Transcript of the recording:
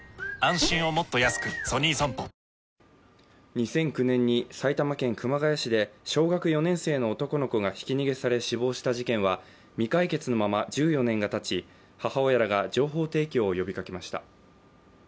２００９年に埼玉県熊谷市で小学４年生の男の子がひき逃げされ死亡した事件は未解決のまま１４年がたち、母親らが情報提供を呼びかけました。